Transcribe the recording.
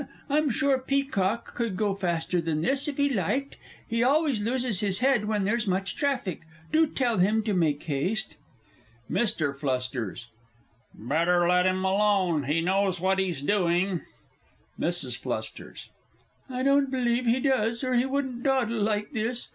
I'm sure Peacock could go faster than this if he liked he always loses his head when there's much traffic. Do tell him to make haste! MR. F. Better let him alone he knows what he's doing. MRS. F. I don't believe he does, or he wouldn't dawdle like this.